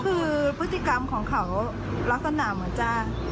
ก็คือพฤติกรรมของเขารักษณะมันจะ